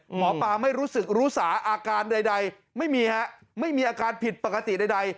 หมอปลาไม่รู้สึกรู้สาอาการใดไม่มีฮะไม่มีอาการผิดปกติใด